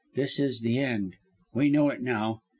This is the end. We know it now.